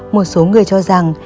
một số người cho rằng